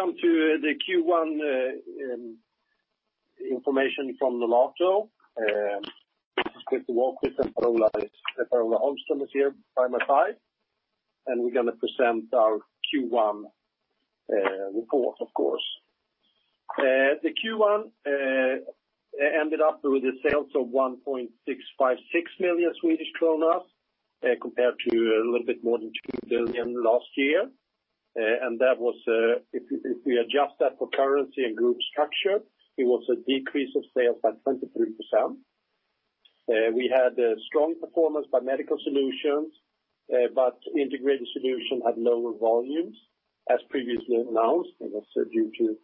Welcome to the Q1 information from Nolato. This is Christer Wahlquist. Per-Ola Holmström is here by my side, and we're going to present our Q1 report, of course. The Q1 ended up with the sales of 1.656 million Swedish kronor, compared to a little bit more than 2 billion last year. If we adjust that for currency and group structure, it was a decrease of sales by 23%. We had a strong performance by Medical Solutions, but Integrated Solutions had lower volumes as previously announced, that's due to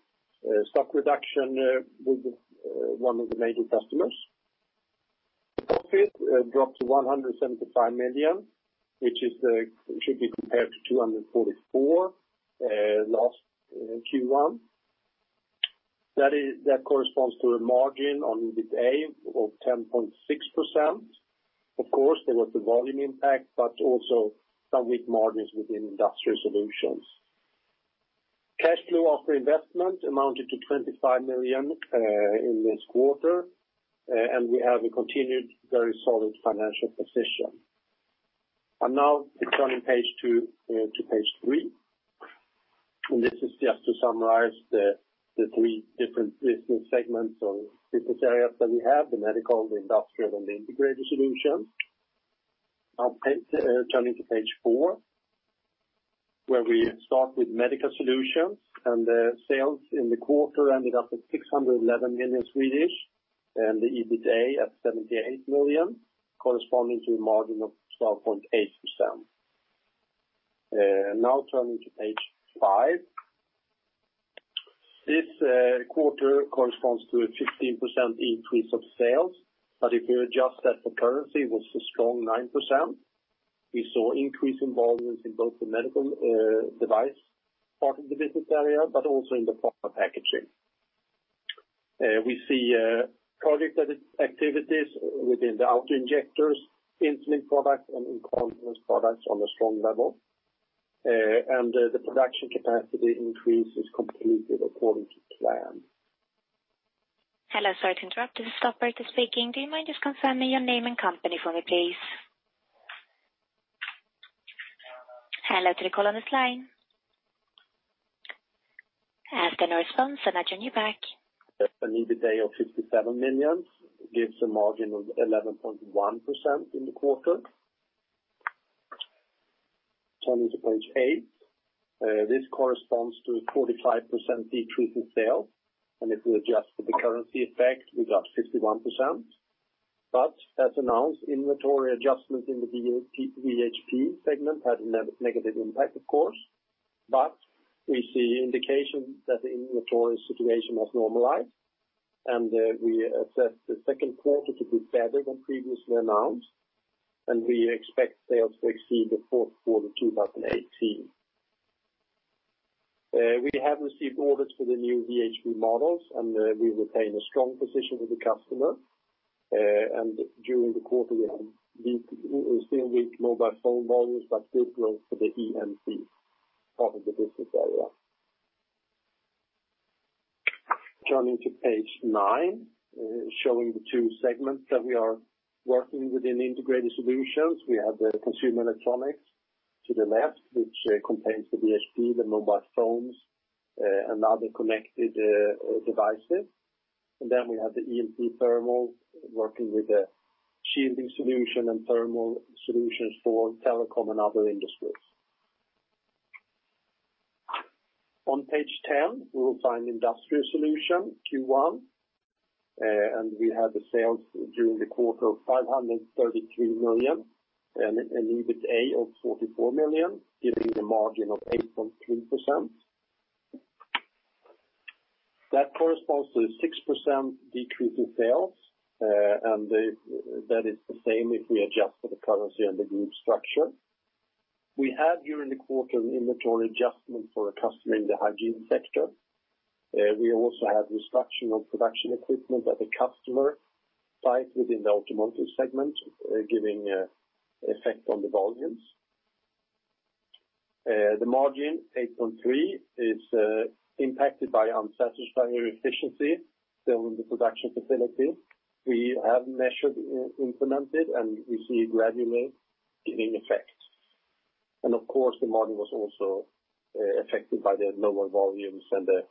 stock reduction with one of the major customers. The profit dropped to 175 million, which should be compared to 244 million last Q1. That corresponds to a margin on EBITA of 10.6%. Of course, there was the volume impact, but also some weak margins within Industrial Solutions. Cash flow after investment amounted to 25 million in this quarter, and we have a continued very solid financial position. Now turning page two to page three. This is just to summarize the three different business segments or business areas that we have, the Medical, the Industrial, and the Integrated Solution. Now turning to page four, where we start with Medical Solutions, the sales in the quarter ended up at 611 million, the EBITA at 78 million, corresponding to a margin of 12.8%. Now turning to page five. This quarter corresponds to a 15% increase of sales, but if we adjust that for currency, it was a strong 9%. We saw increasing volumes in both the medical device part of the business area, but also in the Pharma Packaging. We see project activities within the auto-injectors, insulin products, and incontinence products on a strong level. The production capacity increase is completed according to plan. Hello, sorry to interrupt. This is the operator speaking. Do you mind just confirming your name and company for me, please? Hello to the call on this line. As there are no response, I'll turn you back. An EBITA of 57 million gives a margin of 11.1% in the quarter. Turning to page eight. This corresponds to a 45% decrease in sales. If we adjust for the currency effect, we got 51%. As announced, inventory adjustments in the VHP segment had a negative impact, of course, but we see indications that the inventory situation has normalized, and we assess the second quarter to be better than previously announced. We expect sales to exceed the fourth quarter 2018. We have received orders for the new VHP models, and we retain a strong position with the customer. During the quarter, we're still weak mobile phone volumes but good growth for the EMC part of the business area. Turning to page nine, showing the two segments that we are working within Integrated Solutions. We have the consumer electronics to the left, which contains the VHP, the mobile phones, and other connected devices. We have the EMC thermal working with the shielding solution and thermal solutions for telecom and other industries. On page 10, we will find Industrial Solutions Q1. We have the sales during the quarter of 533 million and an EBITA of 44 million, giving a margin of 8.3%. That corresponds to a 6% decrease in sales, and that is the same if we adjust for the currency and the group structure. We had, during the quarter, an inventory adjustment for a customer in the hygiene sector. We also had restructuring of production equipment at the customer site within the automotive segment, giving effect on the volumes. The margin, 8.3%, is impacted by unsatisfactory efficiency during the production facility. We have measures implemented and we see gradually giving effect. Of course, the margin was also affected by the lower volumes and the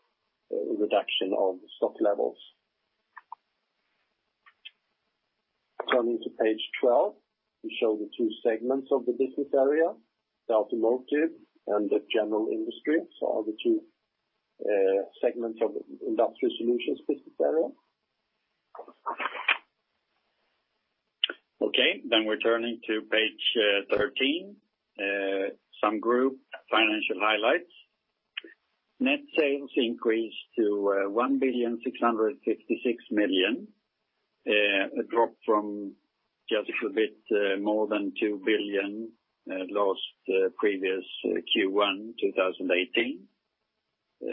reduction of stock levels. Turning to page 12, we show the two segments of the business area. The automotive and the general industry are the two segments of the Industrial Solutions business area. Okay. We're turning to page 13. Some group financial highlights. Net sales increased to 1,656,000,000, a drop from just a little bit more than 2 billion last previous Q1 2018.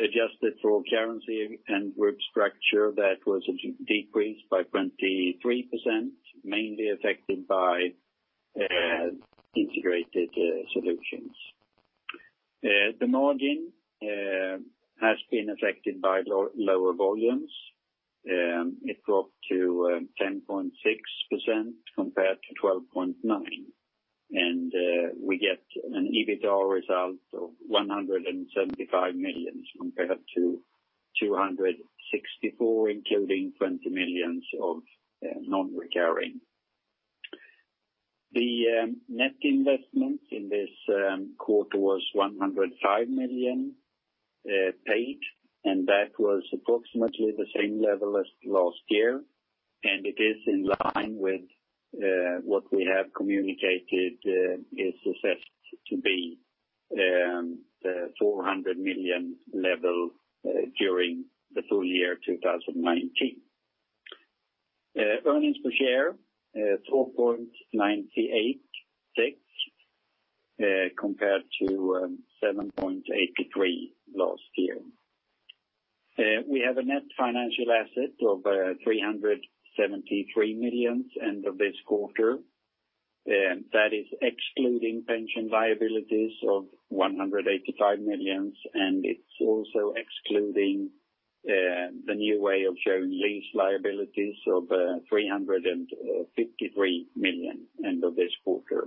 Adjusted for currency and group structure, that was a decrease by 23%, mainly affected by Integrated Solutions. The margin has been affected by lower volumes. It dropped to 10.6% compared to 12.9%. We get an EBITA result of 175 million compared to 264 million, including 20 million of non-recurring. The net investment in this quarter was 105 million paid. That was approximately the same level as last year. It is in line with what we have communicated is assessed to be the 400 million level during the full year 2019. Earnings per share, 4.98 compared to 7.83 last year. We have a net financial asset of 373 million end of this quarter. That is excluding pension liabilities of 185 million, and it's also excluding the new way of showing lease liabilities of 353 million end of this quarter.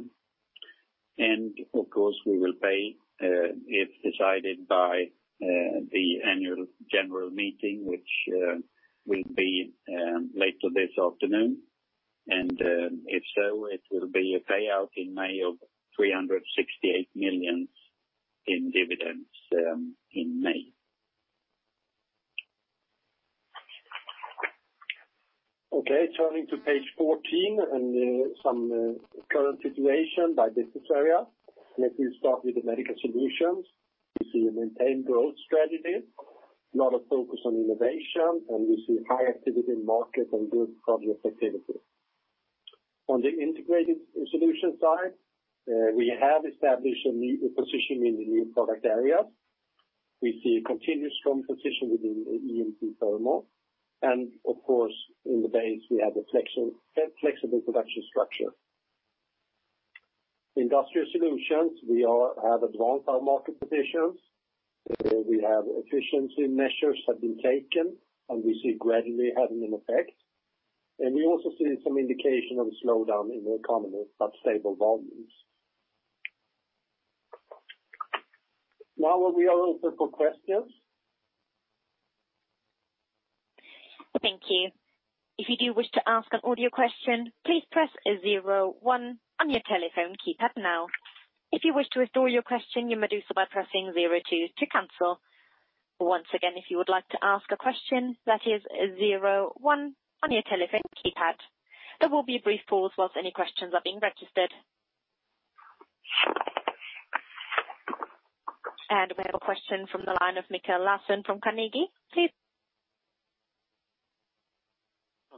Of course, we will pay, if decided by the annual general meeting, which will be later this afternoon. If so, it will be a payout in May of 368 million in dividends in May. Okay. Turning to page 14 and some current situation by business area. Let me start with the Medical Solutions. We see a maintained growth strategy, a lot of focus on innovation, and we see high activity in market and good project activity. On the Integrated Solutions side, we have established a position in the new product areas. We see a continued strong position within EMC-Thermal, and of course, in the base, we have a flexible production structure. Industrial Solutions, we have advanced our market positions. Efficiency measures have been taken, and we see gradually having an effect. We also see some indication of slowdown in the economy, but stable volumes. Now we are open for questions. Thank you. If you do wish to ask an audio question, please press zero one on your telephone keypad now. If you wish to withdraw your question, you may do so by pressing zero two to cancel. Once again, if you would like to ask a question, that is zero one on your telephone keypad. There will be a brief pause whilst any questions are being registered. We have a question from the line of Mikael Laséen from Carnegie, please.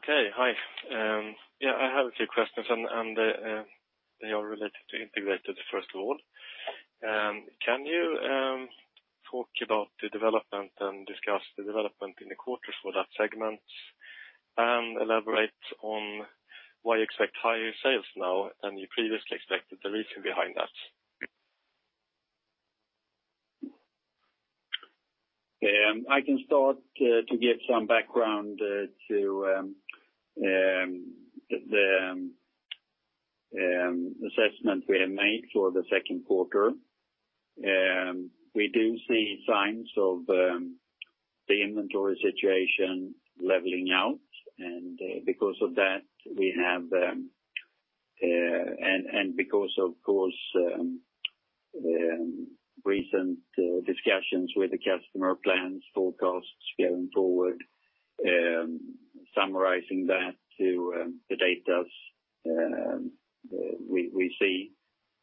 Okay. Hi. I have a few questions, they are related to Integrated, first of all. Can you talk about the development and discuss the development in the quarter for that segment, and elaborate on why you expect higher sales now than you previously expected, the reason behind that? I can start to give some background to the assessment we have made for the second quarter. We do see signs of the inventory situation leveling out, because of course, recent discussions with the customer plans, forecasts going forward, summarizing that to the data we see.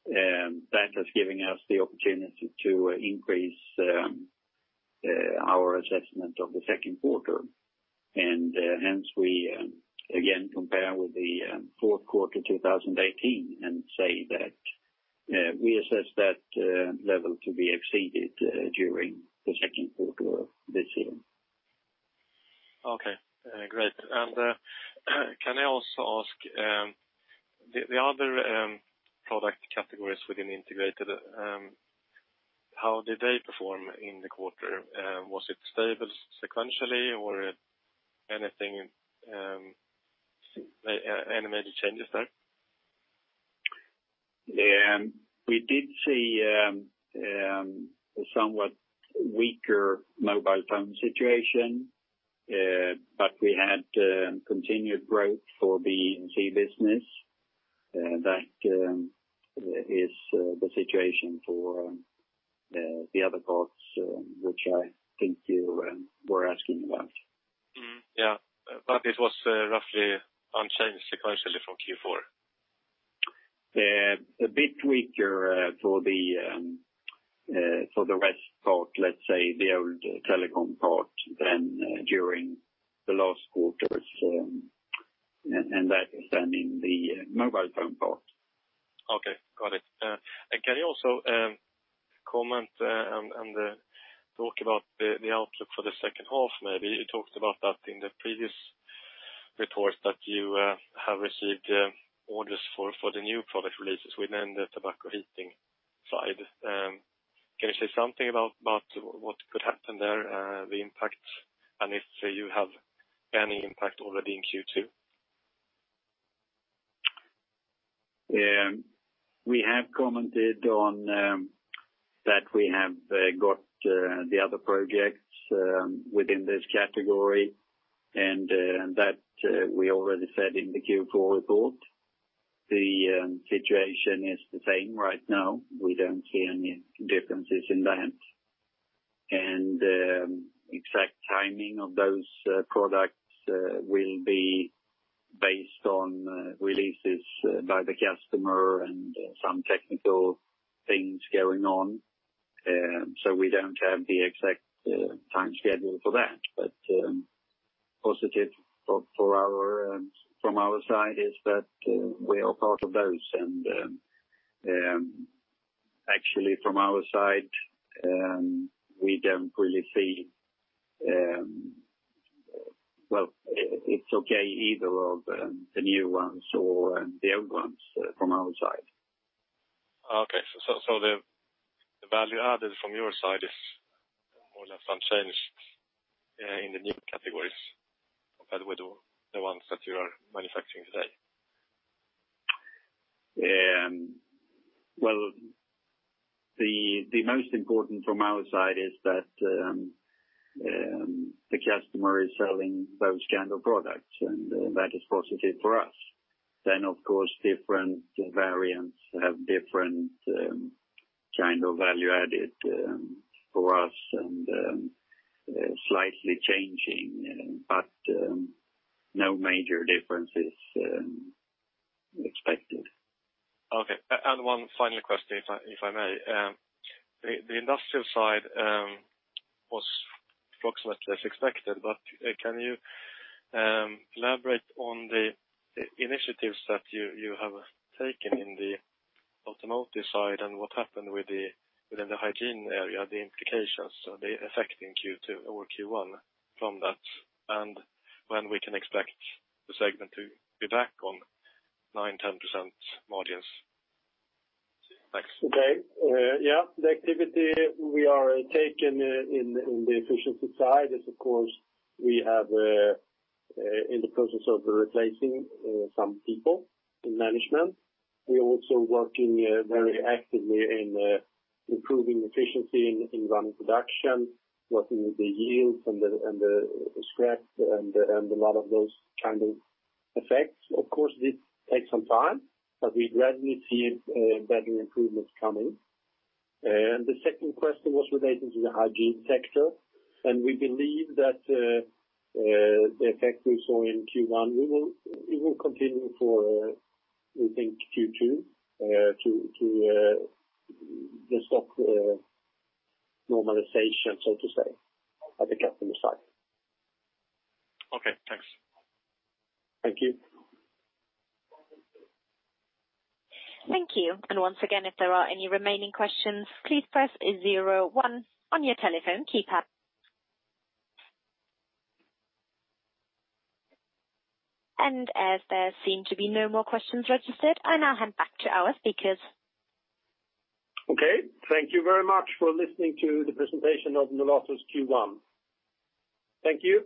That is giving us the opportunity to increase our assessment of the second quarter. Hence, we again compare with the fourth quarter 2018 and say that we assess that level to be exceeded during the second quarter of this year. Okay, great. Can I also ask, the other product categories within Integrated, how did they perform in the quarter? Was it stable sequentially or any major changes there? We did see a somewhat weaker mobile phone situation, but we had continued growth for the EMC business. That is the situation for the other parts which I think you were asking about. Yeah. It was roughly unchanged sequentially from Q4? A bit weaker for the rest part, let's say the old telecom part than during the last quarters, and that is then in the mobile phone part. Okay, got it. Can you also comment and talk about the outlook for the second half, maybe. You talked about that in the previous reports that you have received orders for the new product releases within the tobacco heating side. Can you say something about what could happen there, the impact, and if you have any impact already in Q2? We have commented on that we have got the other projects within this category, and that we already said in the Q4 report. The situation is the same right now. We don't see any differences in that. Exact timing of those products will be based on releases by the customer and some technical things going on. We don't have the exact time schedule for that. Positive from our side is that we are part of those. Actually, from our side, we don't really see, well, it's okay either of the new ones or the old ones from our side. Okay. The value added from your side is more or less unchanged in the new categories compared with the ones that you are manufacturing today? Well, the most important from our side is that the customer is selling those kinds of products, and that is positive for us. Of course, different variants have different kinds of value added for us and slightly changing, but no major differences expected. Okay. One final question, if I may. The Industrial side was approximately as expected, but can you elaborate on the initiatives that you have taken in the automotive side and what happened within the hygiene area, the implications, are they affecting Q2 or Q1 from that, and when we can expect the segment to be back on 9%-10% margins? Thanks. Okay. Yeah. The activity we are taking in the efficiency side is, of course, we are in the process of replacing some people in management. We are also working very actively in improving efficiency and ramp production, working with the yields and the scrap, and a lot of those kinds of effects. Of course, this takes some time, but we gradually see better improvements coming. The second question was related to the hygiene sector, we believe that the effect we saw in Q1, it will continue for, we think, Q2 to the stock normalization, so to say, at the customer side. Okay, thanks. Thank you. Thank you. Once again, if there are any remaining questions, please press zero one on your telephone keypad. As there seem to be no more questions registered, I now hand back to our speakers. Okay. Thank you very much for listening to the presentation of Nolato's Q1. Thank you.